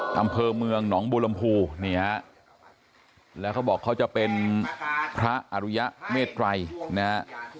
ดำเพอร์เมืองหนองบูรมภูนี่ฮะแล้วเขาบอกเขาจะเป็นพระอารุยะเมตรัยนะครับ